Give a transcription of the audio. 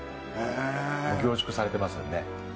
もう凝縮されてますよね